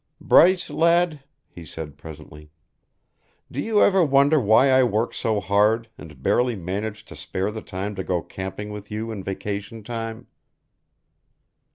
"Bryce, lad," he said presently, "do you ever wonder why I work so hard and barely manage to spare the time to go camping with you in vacation time?"